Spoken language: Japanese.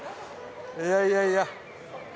いやいやいや。